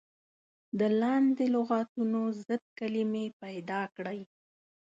د لاندې لغتونو ضد کلمې پيداکړئ.